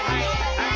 はい！